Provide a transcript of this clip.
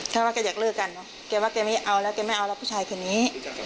ถ้าว่าแกอยากเลิกกันเนอะแกว่าแกไม่เอาแล้วแกไม่เอาแล้วผู้ชายคนนี้